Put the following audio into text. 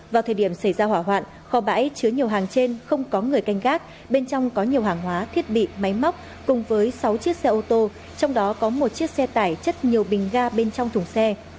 vào thời điểm xảy ra hỏa hoạn kho bãi chứa nhiều hàng trên không có người canh gác bên trong có nhiều hàng hóa thiết bị máy móc cùng với sáu chiếc xe ô tô trong đó có một chiếc xe tải chất nhiều bình ga bên trong thùng xe